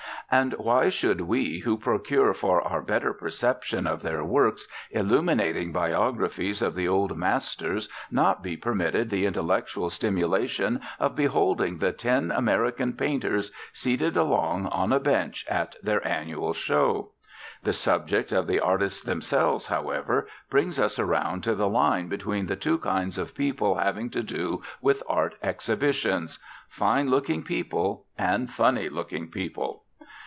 And why should we who procure for our better perception of their works illuminating biographies of the Old Masters not be permitted the intellectual stimulation of beholding the Ten American Painters seated along on a bench at their annual show? The subject of the artists themselves, however, brings us around to the line between the two kinds of people having to do with art exhibitions: fine looking people and funny looking people.